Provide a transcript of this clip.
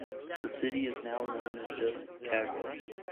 The city is now known as just "Cagua".